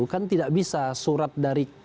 kan tidak bisa surat dari